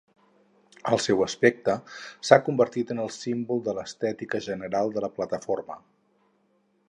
El seu aspecte s'ha convertit en el símbol de l'estètica general de la plataforma.